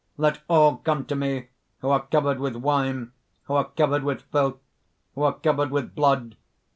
Let all come to me who are covered with wine, who are covered with filth, who are covered with blood!